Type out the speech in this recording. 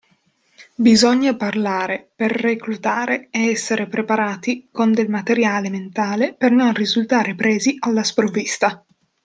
Bisogna parlare per reclutare e essere preparati con del materiale mentale per non risultare presi alla sprovvista.